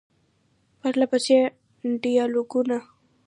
پرله پسې ډیالوګونه ،